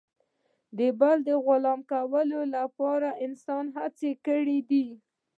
د بل د غلام کولو لپاره انسان هڅې کړي دي.